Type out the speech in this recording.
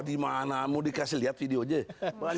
dimana mau dikasih lihat video aja